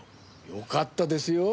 よかったですよ。